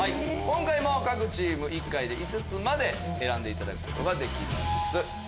今回も各チーム１回で５つまで選んでいただくことができます。